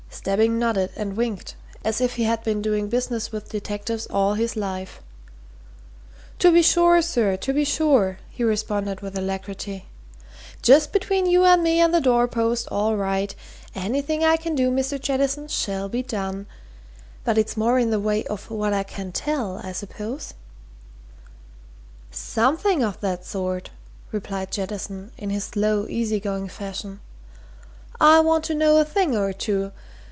Stebbing nodded and winked, as if he had been doing business with detectives all his life. "To be sure, sir, to be sure!" he responded with alacrity. "Just between you and me and the door post! all right. Anything I can do, Mr. Jettison, shall be done. But it's more in the way of what I can tell, I suppose?" "Something of that sort," replied Jettison in his slow, easy going fashion. "I want to know a thing or two.